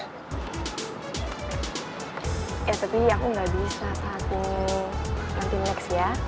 ya tapi aku gak bisa saat ini latih next ya